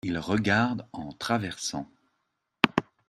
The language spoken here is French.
il regarde en traversant.